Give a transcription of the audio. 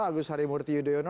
agus harimurti yudhoyono